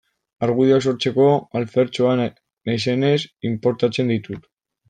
Argudioak sortzeko alfertxoa naizenez, inportatzen ditut.